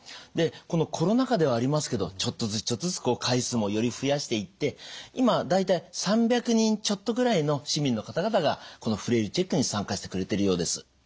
でこのコロナ禍ではありますけどちょっとずつちょっとずつ回数もより増やしていって今大体３００人ちょっとぐらいの市民の方々がこのフレイルチェックに参加してくれてるようです。